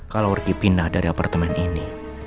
kalau pergi pindah dari apartemen ini